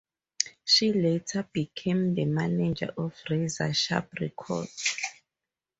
She later became the manager of Razor Sharp Records.